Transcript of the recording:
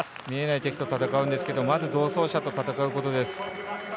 見えない敵と戦うんですがまず同走者と戦うことです。